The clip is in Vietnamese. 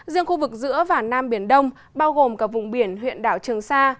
riêng khu vực giữa và nam biển đông bao gồm cả vùng biển huyện đảo trường sa